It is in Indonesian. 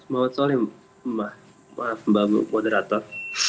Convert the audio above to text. mohamad shalais maaf mbak moderator